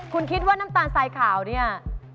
คุณคิดว่าน้ำตาลทรายขาวเนี่ย